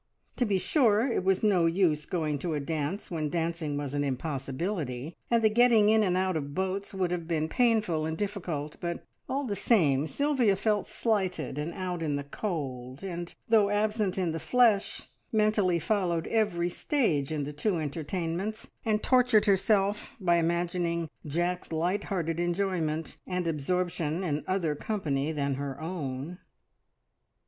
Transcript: To be sure, it was no use going to a dance when dancing was an impossibility, and the getting in and out of boats would have been painful and difficult, but all the same Sylvia felt slighted and out in the cold, and, though absent in the flesh, mentally followed every stage in the two entertainments, and tortured herself by imagining Jack's light hearted enjoyment and absorption in other company than her own.